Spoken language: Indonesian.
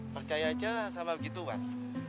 percaya aja sama begitu pak